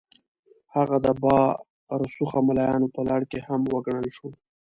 هغه د با رسوخه ملایانو په لړ کې هم وګڼل شو.